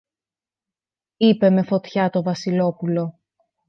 είπε με φωτιά το Βασιλόπουλο